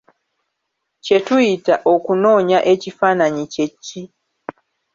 Kye tuyita; 'okunoonya ekifananyi' kye ki?